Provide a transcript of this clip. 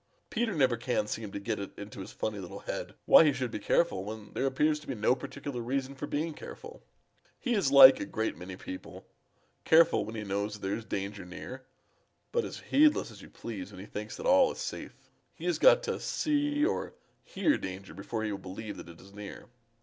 Peter never can seem to get it into his funny little head why he should be careful when there appears to be no particular reason for being careful. He is like a great many people careful when he knows that there is danger near, but as heedless as you please when he thinks that all is safe. He has got to see or hear danger before he will believe that it is near.